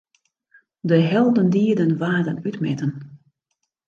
De heldendieden waarden útmetten.